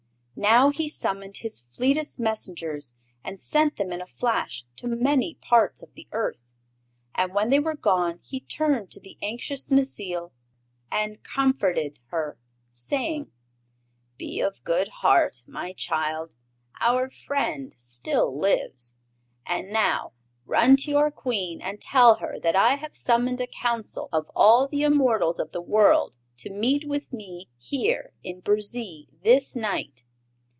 Now he summoned his fleetest messengers, and sent them in a flash to many parts of the earth. And when they were gone he turned to the anxious Necile and comforted her, saying: "Be of good heart, my child; our friend still lives. And now run to your Queen and tell her that I have summoned a council of all the immortals of the world to meet with me here in Burzee this night.